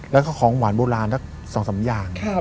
แล้วก็ของหวานโบราณทั้ง๒๓อย่าง